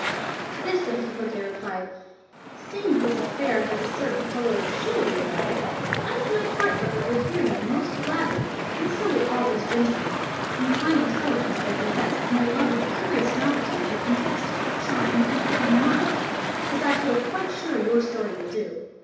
To this Don Quixote replied, "Seeing that this affair has a certain colour of chivalry about it, I for my part, brother, will hear you most gladly, and so will all these gentlemen, from the high intelligence they possess and their love of curious novelties that interest, charm, and entertain the mind, as I feel quite sure your story will do.